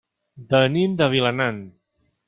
Venim de Vilanant.